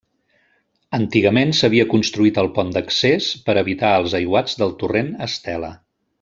Antigament s'havia construït el pont d'accés per evitar els aiguats del torrent Estela.